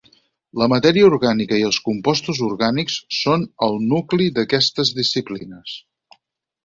La matèria orgànica i els compostos orgànics són el nucli d'aquestes disciplines.